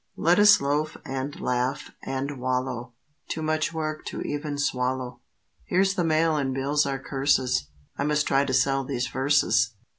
Let us loaf and laugh and wallow; Too much work to even swallow (Here's the mail and bills are curses; I must try to sell these verses.)